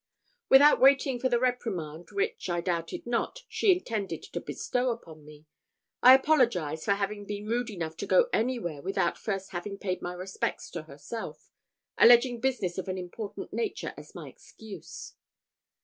Without waiting for the reprimand which, I doubted not, she intended to bestow upon me, I apologised for having been rude enough to go anywhere without first having paid my respects to herself, alleging business of an important nature as my excuse.